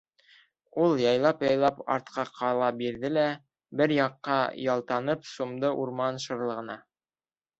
Ул яйлап-яйлап артҡа ҡала бирҙе лә, бер яҡҡа ялтанып, сумды урман шырлығына.